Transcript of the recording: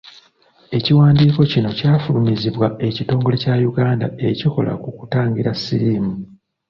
Ekiwandiiko kino kyafulumizibwa ekitongole kya Uganda ekikola ku kutangira siriimu.